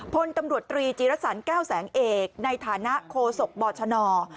พลตำรวจตรีจีรสรรแก้วแสงเอกในฐานะโคศกบชน